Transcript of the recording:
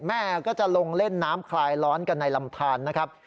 แม่ก็จะลงเล่นน้ำคลายร้อนกันในลำทานนะครับ